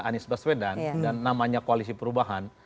anies baswedan dan namanya koalisi perubahan